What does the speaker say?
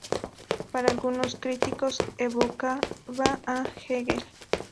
Para algunos críticos evocaba a Hegel.